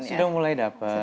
sudah mulai dapat